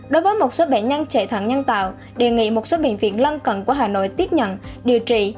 đối với một số bệnh nhân chạy thận nhân tạo đề nghị một số bệnh viện lân cận của hà nội tiếp nhận điều trị